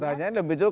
pertanyaan lebih dulu